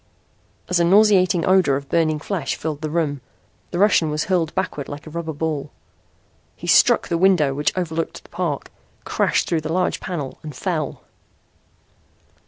As a nauseating odor of burning flesh filled the room, the Russian was hurled backward like a rubber ball. He struck the window which overlooked the park, crashed through the large panel and fell!